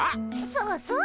そうそう。